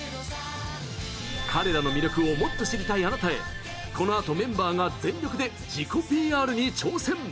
彼らの魅力をもっと知りたいあなたへこのあとメンバーが全力で自己ＰＲに挑戦！